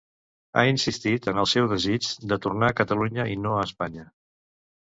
Ha insistit en el seu desig de tornar a Catalunya i no a Espanya.